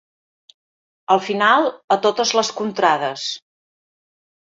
Al final, a totes les contrades.